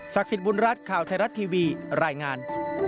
สิทธิ์บุญรัฐข่าวไทยรัฐทีวีรายงาน